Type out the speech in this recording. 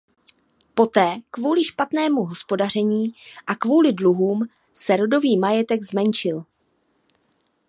Poté kvůli špatnému hospodaření a kvůli dluhům se rodový majetek zmenšil.